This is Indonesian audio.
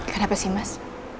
kenapa sih mas